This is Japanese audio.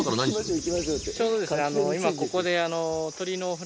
ちょうど今ここで。